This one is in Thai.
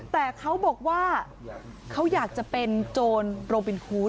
แต่เขาบอกว่าเขาอยากจะเป็นโจรโรบินคูด